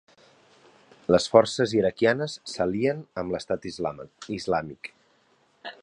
Les forces iraquianes s'alien amb l'Estat Islàmic